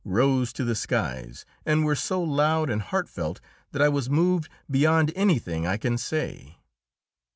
rose to the skies, and were so loud and heartfelt that I was moved beyond anything I can say.